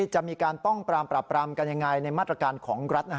จะมีการป้องปรามปรับปรำกันอย่างไรในมาตรการของรัฐ